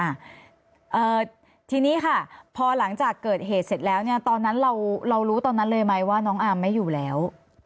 อ่าทีนี้ค่ะพอหลังจากเกิดเหตุเสร็จแล้วเนี่ยตอนนั้นเราเรารู้ตอนนั้นเลยไหมว่าน้องอาร์มไม่อยู่แล้ว